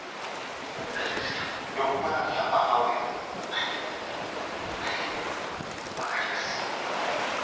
はいはい分かります。